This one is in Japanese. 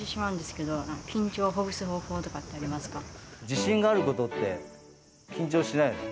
自信があることって緊張しないよね？